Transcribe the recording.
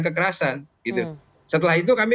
kekerasan setelah itu kami